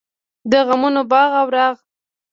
د غمونو باغ او راغ.